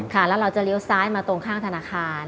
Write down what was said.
แล้วเราจะเลี้ยวซ้ายมาตรงข้างธนาคาร